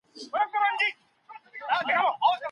د سيمه ييزو نمونو ځانګړتيا څه وه؟